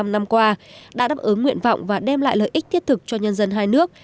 bảy mươi năm năm qua đã đáp ứng nguyện vọng và đem lại lợi ích thiết thực cho nhân dân hai nước